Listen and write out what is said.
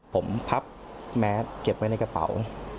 ผมพับแมสเก็บไว้ในกระเป๋า